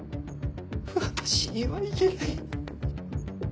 私には言えない。